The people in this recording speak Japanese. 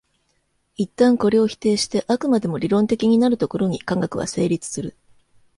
一旦これを否定して飽くまでも理論的になるところに科学は成立する。